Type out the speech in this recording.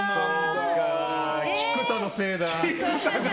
菊田のせいだ。